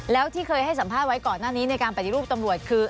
แล้วที่เคยให้สัมภาษณ์ไว้ก่อนหน้านี้ในการปฏิรูปตำรวจคือ